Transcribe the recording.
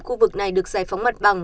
khu vực này được giải phóng mặt bằng